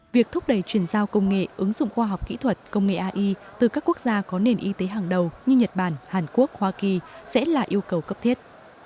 việc thúc đẩy truyền giao công nghệ ứng dụng khoa học kỹ thuật công nghệ ai từ các quốc gia có nền y tế hàng đầu như nhật bản hàn quốc hoa kỳ sẽ là yêu cầu cấp thiết